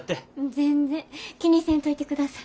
全然気にせんといてください。